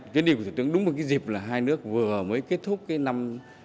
chuyến đi của thủ tướng đúng là cái dịp là hai nước vừa mới kết thúc cái năm